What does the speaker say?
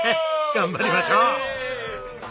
頑張りましょう！